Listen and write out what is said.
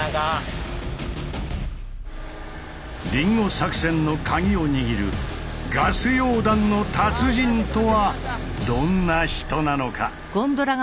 リンゴ作戦のカギを握るガス溶断の達人とはどんな人なのか。